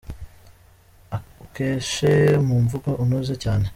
Ukeshe mu mvugo unoze cyane.